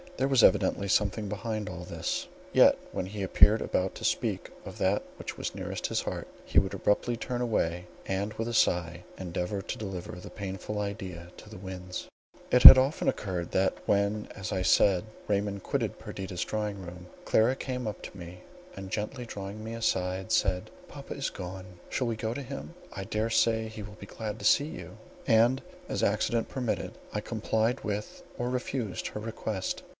There was evidently something behind all this; yet, when he appeared about to speak of that which was nearest his heart, he would abruptly turn away, and with a sigh endeavour to deliver the painful idea to the winds. It had often occurred, that, when, as I said, Raymond quitted Perdita's drawing room, Clara came up to me, and gently drawing me aside, said, "Papa is gone; shall we go to him? I dare say he will be glad to see you." And, as accident permitted, I complied with or refused her request.